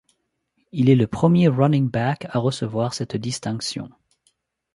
Il est le premier running back à recevoir cette distinction.